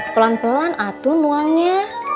pelan pelan atuh nuangnya